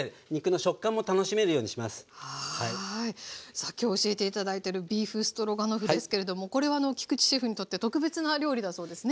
さあ今日教えて頂いてるビーフストロガノフですけれどもこれは菊地シェフにとって特別な料理だそうですね？